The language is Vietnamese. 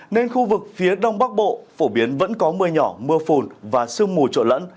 nên khu vực phía đông bắc bộ phổ biến vẫn có mưa nhỏ mưa phùn và sương mù trộn lẫn